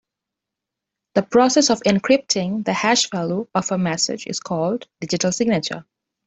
The process of encrypting the hash value of a message is called digital signature.